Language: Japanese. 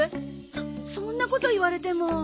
そそんなこと言われても。